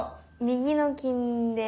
右の金で。